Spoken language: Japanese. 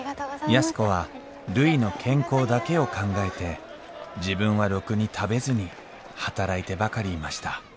安子はるいの健康だけを考えて自分はろくに食べずに働いてばかりいました・